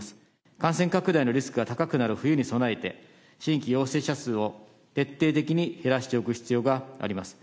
感染拡大のリスクが高くなる冬に備えて、新規陽性者数を徹底的に減らしておく必要があります。